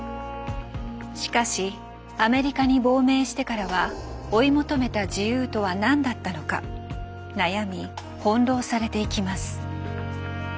しかしアメリカに亡命してからは追い求めた自由とは何だったのか悩み翻弄されていきます。